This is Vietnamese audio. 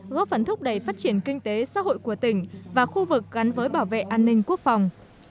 góp phần thúc đẩy phát triển kinh tế xã hội của tỉnh và khu vực gắn với bảo vệ an ninh quốc phòng